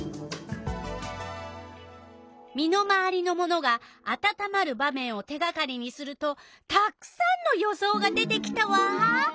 身の回りのものがあたたまる場面を手がかりにするとたくさんの予想が出てきたわ！